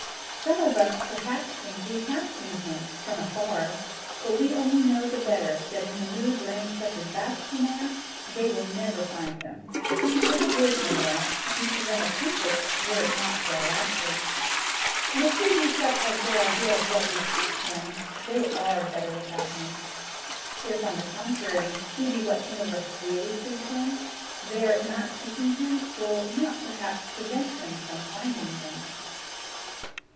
Some of us perhaps think we have seen him from afar, but we only know the better that in the mood wherein such as Bascombe are, they will never find him which would no doubt be to them a comfort were it not for a laughter. And if he be such as their idea of what we think him, they ARE better without him. If, on the contrary, he be what some of us really think him, their not seeking him will not perhaps prevent him from finding them.